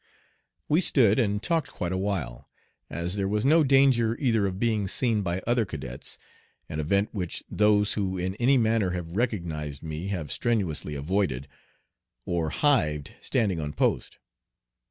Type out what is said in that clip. We stood and talked quite awhile, as there was no danger either of being seen by other cadets an event which those who in any manner have recognized me have strenuously avoided or "hived standing on post."